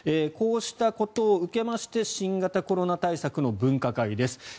こうしたことを受けまして新型コロナ対策の分科会です。